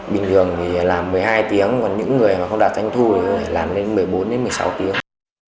bình thường thì làm một mươi hai tiếng còn những người mà không đạt doanh thu thì làm lên một mươi bốn đến một mươi sáu tiếng